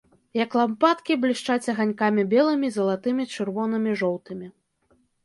Як лампадкі, блішчаць аганькамі белымі, залатымі, чырвонымі, жоўтымі.